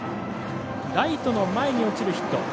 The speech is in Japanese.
ライトの前に落ちるヒット。